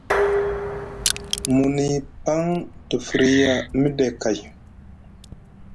Muni paŋ te firya miɗe kay.